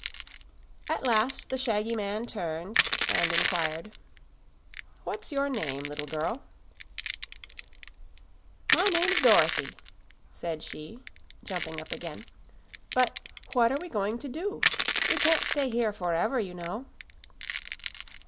At last the shaggy man turned and inquired, "What's your name, little girl?" "My name's Dorothy," said she, jumping up again, "but what are we going to do? We can't stay here forever, you know."